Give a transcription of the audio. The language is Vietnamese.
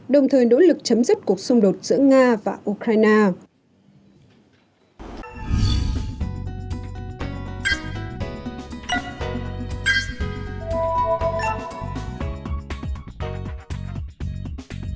đồng thời nỗ lực chấm dứt cuộc xung đột giữa nga và ukraine